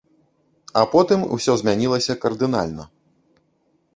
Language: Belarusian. А потым усё змянілася кардынальна.